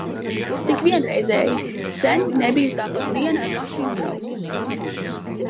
Cik vienreizēji! Sen nebiju tāpat vien ar mašīnu braukusi.